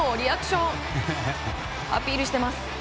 アピールしています。